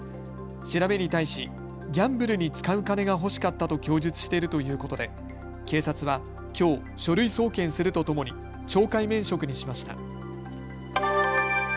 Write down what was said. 調べに対しギャンブルに使う金が欲しかったと供述しているということで警察はきょう書類送検するとともに懲戒免職にしました。